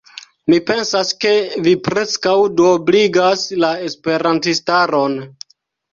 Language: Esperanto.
Mi pensas, ke vi preskaŭ duobligas la esperantistaron.